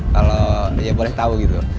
kalau ya boleh tahu gitu